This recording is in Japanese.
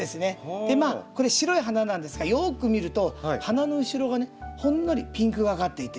これ白い花なんですがよく見ると花の後ろがねほんのりピンクがかっていてと。